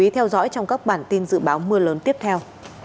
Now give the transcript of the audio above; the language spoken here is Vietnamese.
theo dõi trong các bản tin dự báo mưa lớn tiếp theo